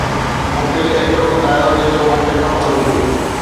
مون کين ايترو ٻڌايو، جيترو مون کي خبر هئي